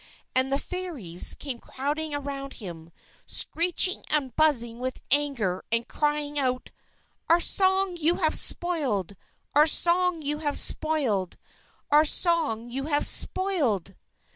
And the Fairies came crowding around him, screeching and buzzing with anger, and crying out: "_Our song you have spoiled! Our song you have spoiled! Our song you have spoiled!